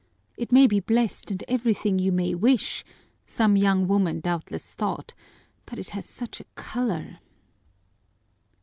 "It may be blessed and everything you may wish," some young woman doubtless thought, "but it has such a color!"